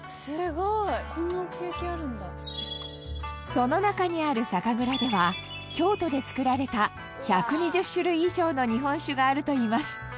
その中にある「酒蔵」では京都で造られた１２０種類以上の日本酒があるといいます。